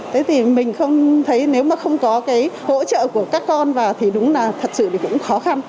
thế thì mình không thấy nếu mà không có cái hỗ trợ của các con vào thì đúng là thật sự thì cũng khó khăn